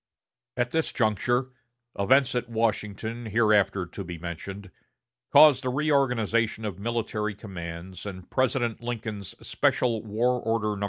At this juncture, events at Washington, hereafter to be mentioned, caused a reorganization of military commands and President Lincoln's Special War Order No.